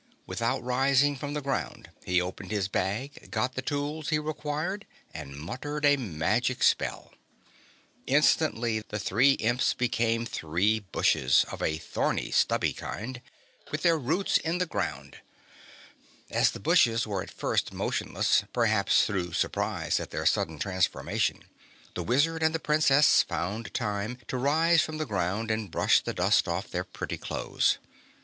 Without rising from the ground he opened his bag, got the tools he required and muttered a magic spell. Instantly the three Imps became three bushes of a thorny stubby kind with their roots in the ground. As the bushes were at first motionless, perhaps through surprise at their sudden transformation, the Wizard and the Princess found time to rise from the ground and brush the dust off their pretty clothes.